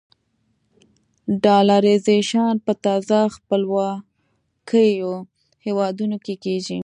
ډالرایزیشن په تازه خپلواکو هېوادونو کې کېږي.